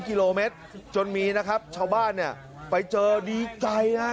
กิโลเมตรจนมีนะครับชาวบ้านเนี่ยไปเจอดีใจฮะ